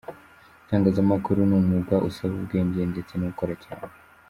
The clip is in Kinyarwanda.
Itangazamakuru ni umwuga usaba ubwenge ndetse no gukora cyane.